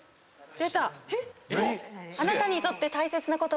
出た！